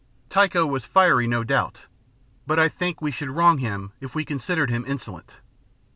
Tycho was fiery, no doubt, but I think we should wrong him if we considered him insolent.